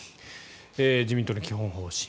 自民党の基本方針。